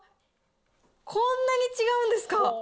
こんなに違うんですか。